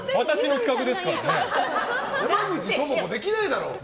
山口智子できないだろう！